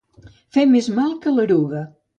Fer més mal que l'eruga.